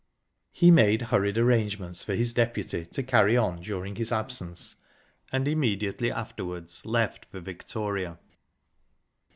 He made hurried arrangements with his deputy to carry on during his absence, and immediately afterwards left for Victoria.